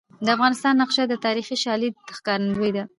د افغانستان نقشه د تاریخي شالید ښکارندوی ده.